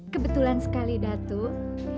kebetulan sekali datuk